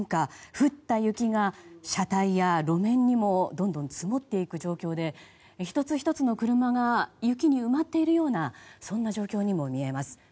降った雪が車体や路面にもどんどん積もっていく状況で１つ１つの車が雪に埋まっているような状況にも見えます。